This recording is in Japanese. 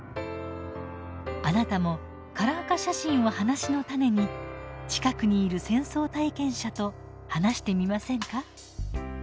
あなたもカラー化写真を話の種に近くにいる戦争体験者と話してみませんか？